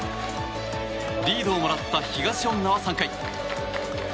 リードをもらった東恩納は３回。